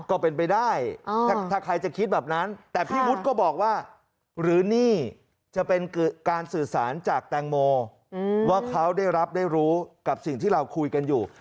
ก็เป็นไปได้ถ้าใครจะคิดแบบนั้นแต่พี่วุฒิก็บอกว่าหรือนี่จะเป็นการสื่อสารจากแตงโมว่าเขาได้รับได้รู้กับสิ่งที่เราคุยกันอยู่